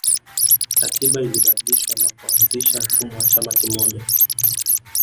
katiba ilibadilishwa na kuanzisha mfumo wa chama kimoja